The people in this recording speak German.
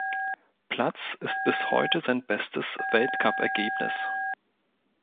Platz ist bis heute sein bestes Weltcupergebnis.